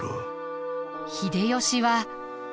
秀吉は。